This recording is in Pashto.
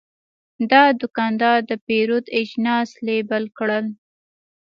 دا دوکاندار د پیرود اجناس لیبل کړل.